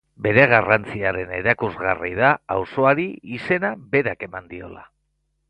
Bere garrantziaren erakusgarri da auzoari izena berak eman diola.